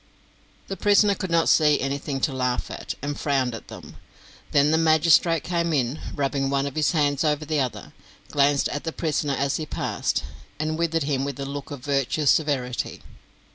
The prisoner could not see anything to laugh at, and frowned at them. Then the magistrate came in, rubbing one of his hands over the other, glanced at the prisoner as he passed, and withered him with a look of virtuous severity.